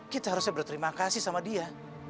kita harusnya berterima kasih sama dia